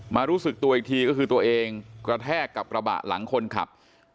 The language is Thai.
รู้สึกตัวอีกทีก็คือตัวเองกระแทกกับกระบะหลังคนขับ